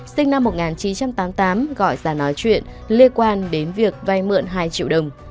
sinh năm một nghìn chín trăm tám mươi tám gọi ra nói chuyện liên quan đến việc vay mượn hai triệu đồng